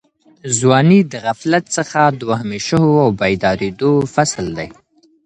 ځواني د غفلت څخه د وهمېشهو او بېدارېدو فصل دی.